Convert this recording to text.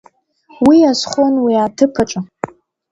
Уи азхон уи аҭыԥ аҿы.